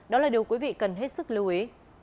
đó là điều quý vị cần hết sức lưu ý